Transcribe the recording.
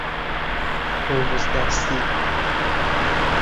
ترمز دستی